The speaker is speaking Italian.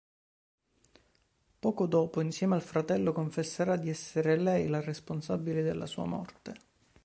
Poco dopo insieme al fratello confesserà di essere lei la responsabile della sua morte.